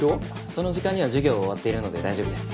その時間には授業は終わっているので大丈夫です。